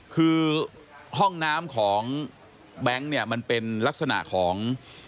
คือห้องน้ำของแบงค์เนี่ยมันเป็นลักษณะของ